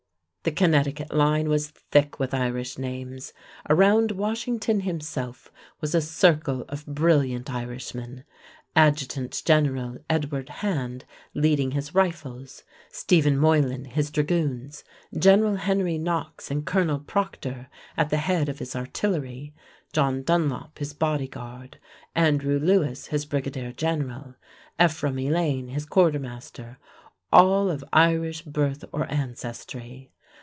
The Connecticut line was thick with Irish names. Around Washington himself was a circle of brilliant Irishmen: Adjutant General Edward Hand leading his rifles, Stephen Moylan his dragoons, General Henry Knox and Colonel Proctor at the head of his artillery, John Dunlop his body guard, Andrew Lewis his brigadier general, Ephraim Elaine his quartermaster, all of Irish birth or ancestry.